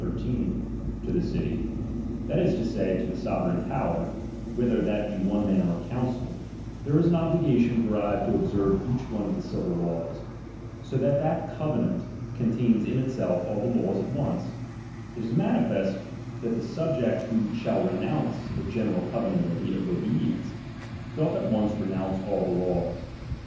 13) to the city, that I as to say, to the sovereign power, whether that be r one man or council, there is an obligation derived to observe each one of the civil laws ; so that that covenant contains in itself all the laws at once ; ^it is manifest that the subject who shall renounce the general covenant of obedience, doth at once renounce all the laws.